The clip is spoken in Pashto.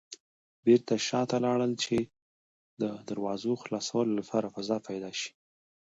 بېرته شاته لاړل چې د دراوزو خلاصولو لپاره فضا پيدا شي.